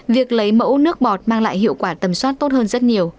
việc lấy mẫu nước bọt mang lại hiệu quả tầm soát tốt hơn rất nhiều